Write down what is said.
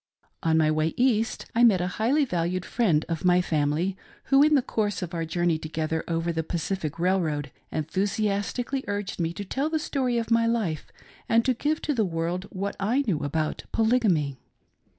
On my way East, I met a highly valued friend of my family, who, in the course of our journey together over the Pacific Railroad, enthusiastically urged me to tell the story of my life, and to give to the world what I knew about Polygamy.